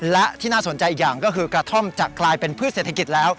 และที่น่าสนใจอีกอย่างก็คือกระท่อมจะกลายเป็นพืชเศรษฐกิจแล้ว